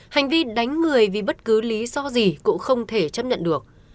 hành vi đánh người vì bất cứ lý do gì cũng không thể chấp nhận được